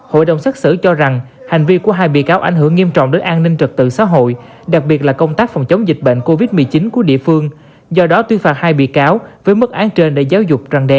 hội đồng xác xử cho rằng hành vi của hai bị cáo ảnh hưởng nghiêm trọng đến an ninh trật tự xã hội đặc biệt là công tác phòng chống dịch bệnh covid một mươi chín của địa phương do đó tuyên phạt hai bị cáo với mức án trên để giáo dục răng đe